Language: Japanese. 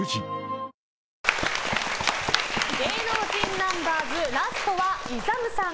ナンバーズラストはＩＺＡＭさん